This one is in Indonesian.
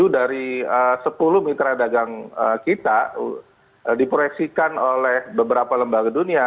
tujuh dari sepuluh mitra dagang kita diproyeksikan oleh beberapa lembaga dunia